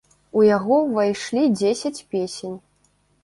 У яго ўвайшлі дзесяць песень.